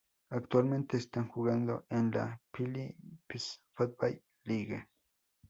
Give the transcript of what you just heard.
Actualmente están jugando en la Philippines Football League.